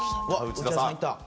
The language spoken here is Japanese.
内田さん。